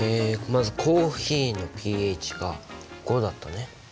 まずコーヒーのｐＨが５だったね。